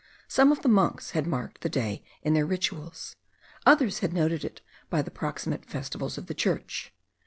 Some of the monks had marked the day in their rituals; others had noted it by the proximate festivals of the Church.